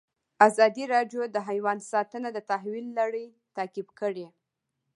ازادي راډیو د حیوان ساتنه د تحول لړۍ تعقیب کړې.